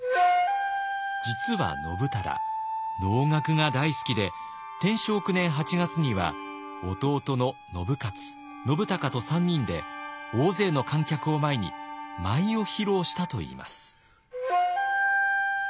実は信忠能楽が大好きで天正９年８月には弟の信雄信孝と３人で大勢の観客を前に舞を披露したといいます。